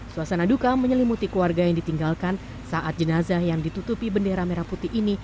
suasana duka menyelimuti keluarga yang ditinggalkan saat jenazah yang ditutupi bendera merah putih ini